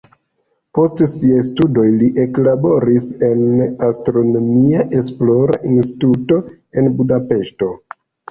Post siaj studoj li eklaboris en astronomia esplora instituto en Budapeŝto.